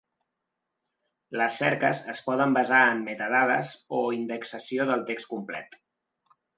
Les cerques es poden basar en metadades o indexació del text complet.